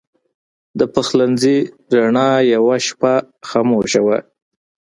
د پخلنځي رڼا یوه شپه خاموشه وه.